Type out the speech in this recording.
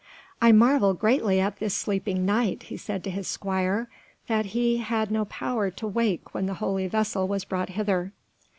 "I marvel greatly at this sleeping Knight," he said to his squire, "that he had no power to wake when the Holy Vessel was brought hither."